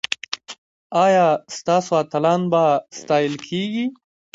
ایا ستاسو اتلان به ستایل کیږي؟